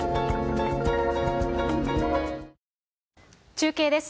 中継です。